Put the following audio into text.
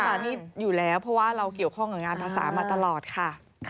อันนี้อยู่แล้วเพราะว่าเราเกี่ยวข้องกับงานภาษามาตลอดค่ะ